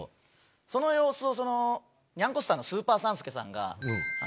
その様子をにゃんこスターのスーパー３助さんが。